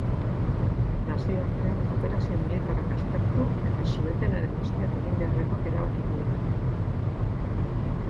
Nazioarteak operazio militarrak aztertu eta su-etenaren ostean egin beharrekoak erabakiko ditu.